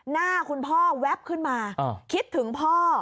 หน้าคุณพ่อแว๊บขึ้นมาคิดถึงพ่อ